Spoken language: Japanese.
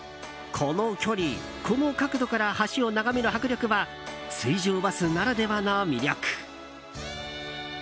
この距離、この角度から橋を眺める迫力は水上バスならではの魅力。